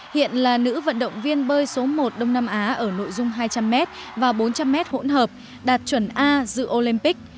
hiện là nữ vận động viên bơi số một đông nam á ở nội dung hai trăm linh m và bốn trăm linh m hỗn hợp đạt chuẩn a dự olympic